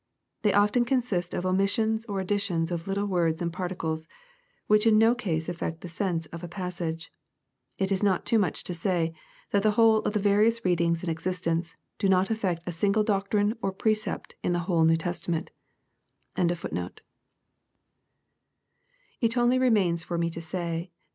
They often consist of omissions or additions of little words and particles, which in no case aflfect the sense of a passage. It is not too much to say, that the whole of the various readings in existence, do not ftlfect a Bingk doctrine or precept in the whole New Testament PREFACE.